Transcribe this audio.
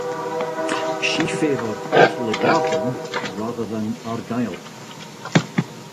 She favoured Tullibardine, rather than Argyll.